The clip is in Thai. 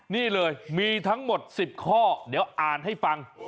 นี่เลยมีทั้งหมด๑๐ข้อเดี๋ยวอ่านให้ฟัง